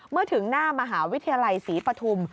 เมื่อถึงหน้ามหาวิทยาลัยศรีปฐุม